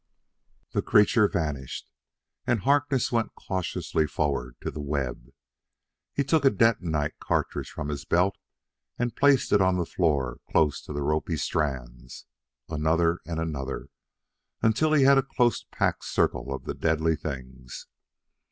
The creature vanished, and Harkness went cautiously forward to the web. He took a detonite cartridge from his belt and placed it on the floor close to the ropy strands. Another, and another, until he had a close packed circle of the deadly things.